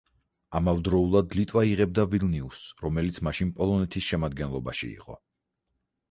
ამავდროულად, ლიტვა იღებდა ვილნიუსს, რომელიც მაშინ პოლონეთის შემადგენლობაში იყო.